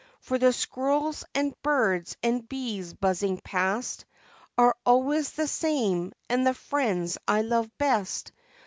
For the squirrels and birds and bees buzzing past, Are always the same, and the friends I love best.